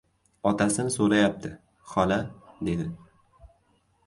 — Otasini so‘rayapti, xola, — dedi.